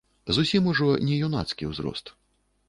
Зусім ужо не юнацкі ўзрост.